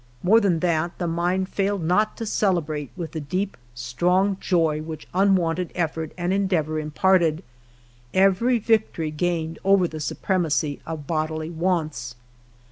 More than that, the mind failed not to celebrate with the deep, strong joy which unwonted effort and endeavor imparted, every victory gained over the su premacy of bodily wants.